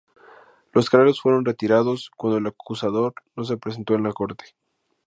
Los cargos fueron retirados cuando el acusador no se presentó en la corte.